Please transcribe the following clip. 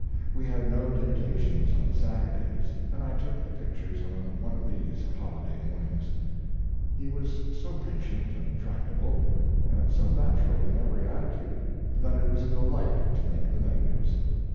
We had no dictations on Saturdays, and I took the pictures on one of these holiday mornings. He was so patient and tractable, and so natural in every attitude, that it was a delight to make the negatives.